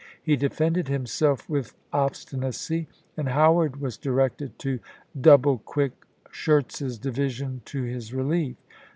He defended himself with obstinacy, and Howard was directed to double quick Schurz's di\'ision to his relief.